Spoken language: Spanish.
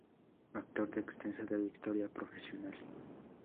Actor de extensa trayectoria profesional.